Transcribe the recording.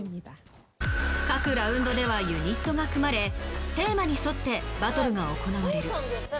各ラウンドではユニットが組まれテーマに沿ってバトルが行われる。